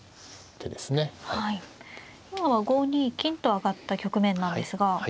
今は５二金と上がった局面なんですが。